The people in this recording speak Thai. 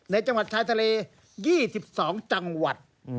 ในจังหวัดชายทะเล๒๒จังหวัด